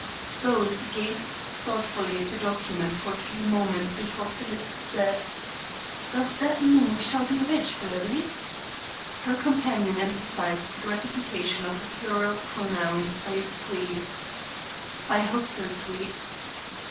Both gazed thoughtfully at the document for a few moments before Phyllis said: "Does that mean we shall be rich, Bertie?" Her companion emphasized the gratification of the plural pronoun by a squeeze. "I hope so, sweet."